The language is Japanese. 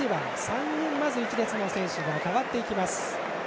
３人、まず１列の選手が代わっていきます。